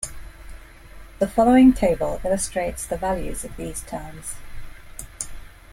The following table illustrates the values of these terms.